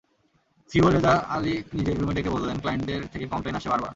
CO Reza Ali নিজের রুমে ডেকে বললেন, ক্লায়েন্টদের থেকে কমপ্লেইন আসছে বারবার।